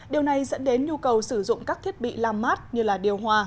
điều này dẫn đến nhu cầu sử dụng các thiết bị làm mát như điều hòa